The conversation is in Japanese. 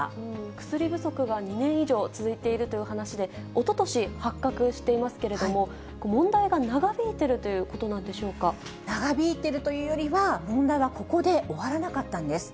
薬不足が２年以上続いているという話で、おととし、発覚していますけれども、問題が長引いて長引いているというよりは、問題はここで終わらなかったんです。